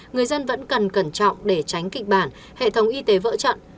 người dân vẫn cần cẩn trọng để tránh kịch bản hệ thống y tế vỡ trận